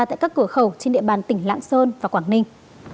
tại các cửa khẩu trên địa bàn tỉnh lạng sơn và quảng ninh